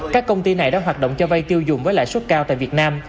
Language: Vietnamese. các công ty này đã hoạt động cho vay tiêu dùng với lãi suất cao tại việt nam